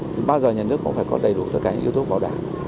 thì bao giờ nhà nước cũng phải có đầy đủ tất cả những yếu tố bảo đảm